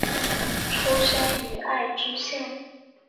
出身于爱知县。